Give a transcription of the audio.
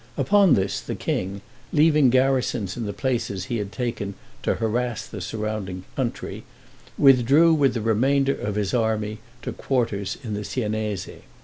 Upon this the king, leaving garrisons in the places he had taken to harass the surrounding country, withdrew with the remainder of his army to quarters in the Siennese.